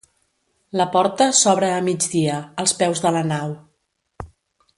La porta s'obre a migdia, als peus de la nau.